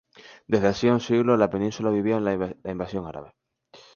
Desde hacía un siglo, la Península vivía la invasión árabe.